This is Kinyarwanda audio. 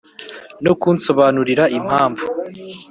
no kunsobanurira impamvu